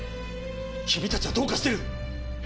君たちはどうかしてる！